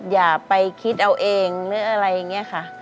อย่าไปคิดเอาเองหรืออะไรอย่างนี้ค่ะ